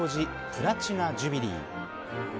プラチナ・ジュビリー。